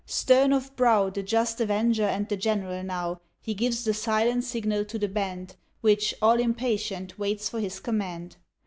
Stern of brow The just avenger, and the General now, He gives the silent signal to the band Which, all impatient, waits for his command.